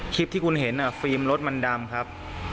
คลิปที่คุณเห็นฟิล์มรถมันดำครับ